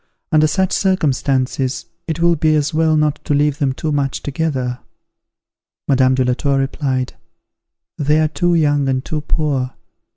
Under such circumstances, it will be as well not to leave them too much together." Madame de la Tour replied, "They are too young and too poor.